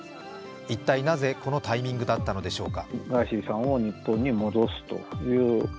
一体なぜ、このタイミングだったのでしょうか？